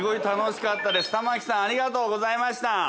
玉城さん、ありがとうございました。